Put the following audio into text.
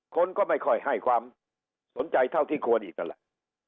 คนก็ไม่ค่อยให้ความสนใจเท่าที่ควรอีกนั่นแหละ